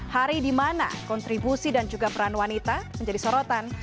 hari di mana kontribusi dan juga peran wanita menjadi sorotan